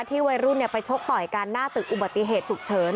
วัยรุ่นไปชกต่อยกันหน้าตึกอุบัติเหตุฉุกเฉิน